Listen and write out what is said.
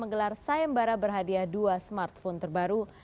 menggelar sayembara berhadiah dua smartphone terbaru